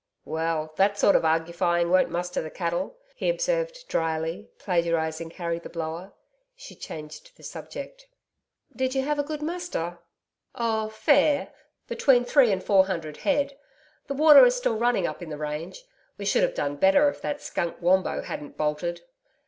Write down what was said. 'Well, that sort of argufying won't muster the cattle,' he observed drily, plagiarising Harry the Blower. She changed the subject. 'Did you have a good muster?' 'Oh, fair! Between three and four hundred head. The water is running still up in the range. We should have done better if that skunk Wombo hadn't bolted.'